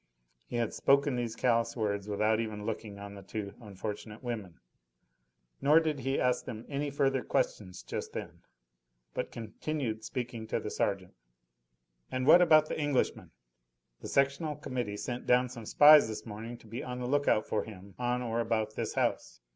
He had spoken these callous words without even looking on the two unfortunate women; nor did he ask them any further questions just then, but continued speaking to the sergeant: "And what about the Englishman? The sectional Committee sent down some spies this morning to be on the look out for him on or about this house.